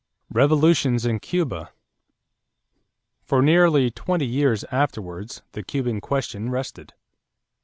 "] =Revolutions in Cuba.= For nearly twenty years afterwards the Cuban question rested.